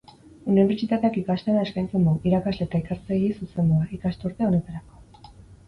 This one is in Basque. Unibertsitateak ikastaroa eskaintzen du, irakasle eta ikertzaileei zuzendua, ikasturte honetarako.